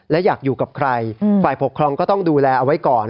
และอยากอยู่กับใครฝ่ายปกครองก็ต้องดูแลเอาไว้ก่อน